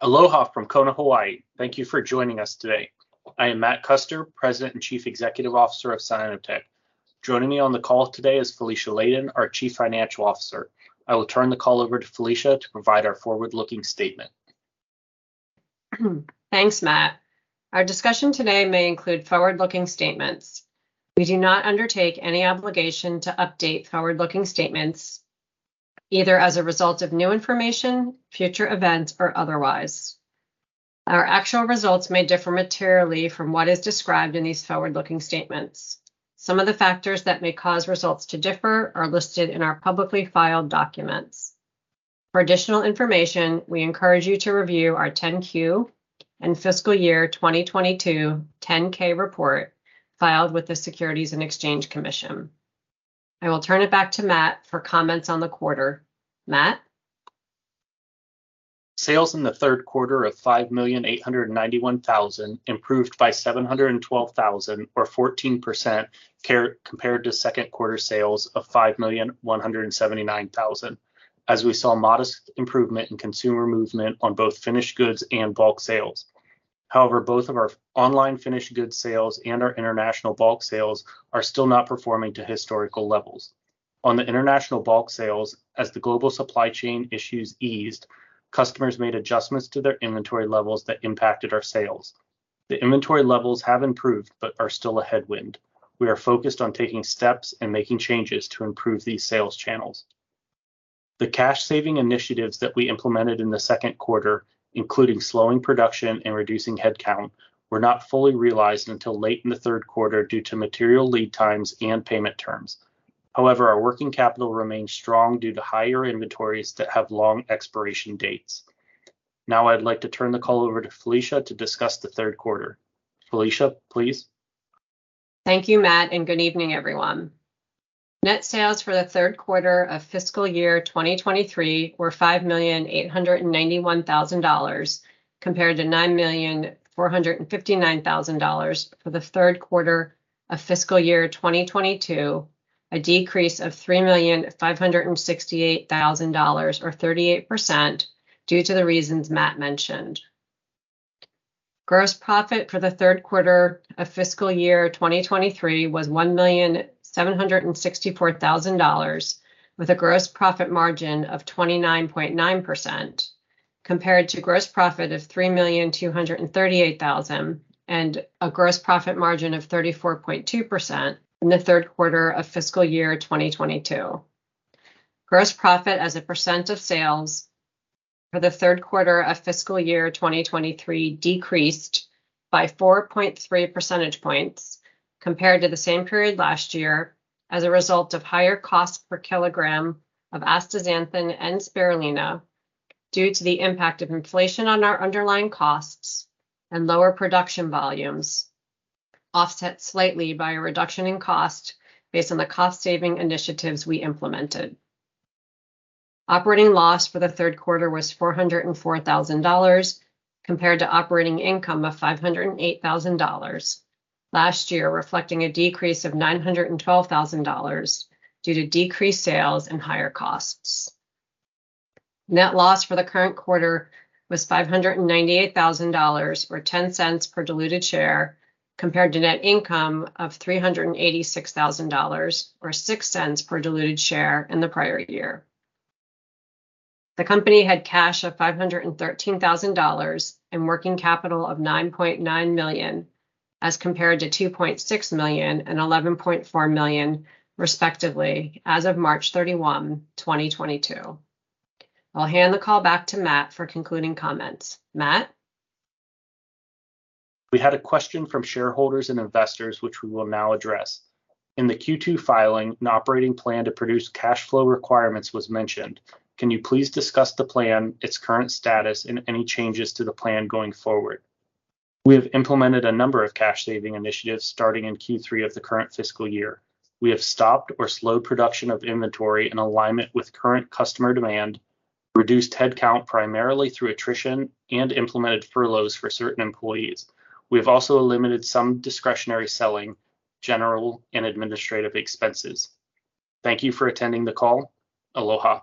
Aloha from Kona, Hawaii. Thank you for joining us today. I am Matt Custer, President and Chief Executive Officer of Cyanotech. Joining me on the call today is Felicia Ladin, our Chief Financial Officer. I will turn the call over to Felicia to provide our forward-looking statement. Thanks, Matt. Our discussion today may include forward-looking statements. We do not undertake any obligation to update forward-looking statements, either as a result of new information, future events, or otherwise. Our actual results may differ materially from what is described in these forward-looking statements. Some of the factors that may cause results to differ are listed in our publicly filed documents. For additional information, we encourage you to review our 10-Q and fiscal year 2022 10-K report filed with the Securities and Exchange Commission. I will turn it back to Matt for comments on the quarter. Matt? Sales in the third quarter of $5,891,000 improved by $712,000 or 14% compared to second quarter sales of $5,179,000, as we saw modest improvement in consumer movement on both finished goods and bulk sales. Both of our online finished goods sales and our international bulk sales are still not performing to historical levels. On the international bulk sales, as the global supply chain issues eased, customers made adjustments to their inventory levels that impacted our sales. The inventory levels have improved, but are still a headwind. We are focused on taking steps and making changes to improve these sales channels. The cash saving initiatives that we implemented in the second quarter, including slowing production and reducing headcount, were not fully realized until late in the third quarter due to material lead times and payment terms. Our working capital remains strong due to higher inventories that have long expiration dates. I'd like to turn the call over to Felicia to discuss the third quarter. Felicia, please. Thank you, Matt, and good evening everyone. Net sales for the third quarter of fiscal year 2023 were $5,891,000 compared to $9,459,000 for the third quarter of fiscal year 2022, a decrease of $3,568,000 or 38% due to the reasons Matt mentioned. Gross profit for the third quarter of fiscal year 2023 was $1,764,000 with a gross profit margin of 29.9% compared to gross profit of $3,238,000 and a gross profit margin of 34.2% in the third quarter of fiscal year 2022. Gross profit as a percent of sales for the third quarter of fiscal year 2023 decreased by 4.3 percentage points compared to the same period last year as a result of higher cost per kilogram of astaxanthin and spirulina due to the impact of inflation on our underlying costs and lower production volumes, offset slightly by a reduction in cost based on the cost saving initiatives we implemented. Operating loss for the third quarter was $404,000 compared to operating income of $508,000. Last year reflecting a decrease of $912,000 due to decreased sales and higher costs. Net loss for the current quarter was $598,000 or $0.10 per diluted share compared to net income of $386,000 or $0.06 per diluted share in the prior year. The company had cash of $513,000 and working capital of $9.9 million as compared to $2.6 million and $11.4 million respectively as of March 31, 2022. I'll hand the call back to Matt for concluding comments. Matt? We had a question from shareholders and investors which we will now address. In the Q2 filing, an operating plan to produce cash flow requirements was mentioned. Can you please discuss the plan, its current status, and any changes to the plan going forward? We have implemented a number of cash saving initiatives starting in Q3 of the current fiscal year. We have stopped or slowed production of inventory in alignment with current customer demand, reduced headcount primarily through attrition, and implemented furloughs for certain employees. We have also eliminated some discretionary selling, general, and administrative expenses. Thank you for attending the call. Aloha.